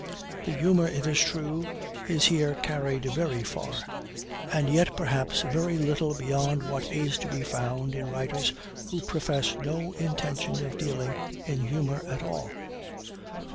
The humor, it is true, is here carried very far; and yet, perhaps, very little beyond what is to be found in writers who profess no intention of dealing in humor at all.